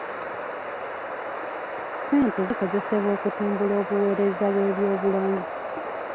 Ssente zikozesebwa okutumbula obuweereza bw'ebyobulamu.